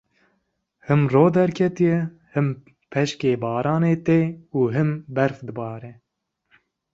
Him ro derketiye, him peşkê baranê tê û him berf dibare.